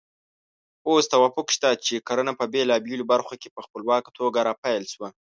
اوس توافق شته چې کرنه په بېلابېلو برخو کې په خپلواکه توګه راپیل شوه.